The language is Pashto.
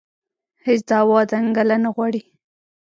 هېڅ دعوا دنګله نه غواړي